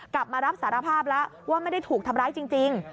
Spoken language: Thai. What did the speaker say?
รับสารภาพแล้วว่าไม่ได้ถูกทำร้ายจริง